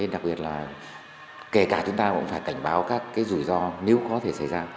đặc biệt là kể cả chúng ta cũng phải cảnh báo các rủi ro nếu có thể xảy ra